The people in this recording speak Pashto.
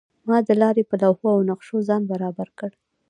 ما د لارې په لوحو او نقشو ځان برابر کړ.